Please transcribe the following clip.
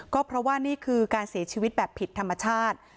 ก็เพราะว่านี่คือการเสียชีวิตแบบผิดธรรมชาติ